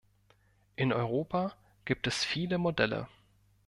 In Europa gibt es viele Modelle.